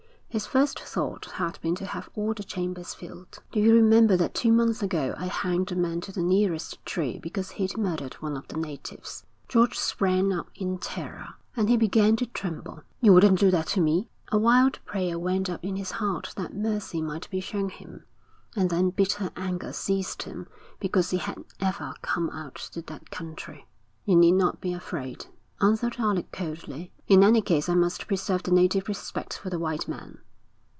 His first thought had been to have all the chambers filled. 'Do you remember that two months ago I hanged a man to the nearest tree because he'd murdered one of the natives?' George sprang up in terror, and he began to tremble. 'You wouldn't do that to me.' A wild prayer went up in his heart that mercy might be shown him, and then bitter anger seized him because he had ever come out to that country. 'You need not be afraid,' answered Alec coldly. 'In any case I must preserve the native respect for the white man.'